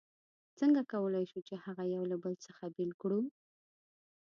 څنګه کولای شو چې هغه یو له بل څخه بېل کړو؟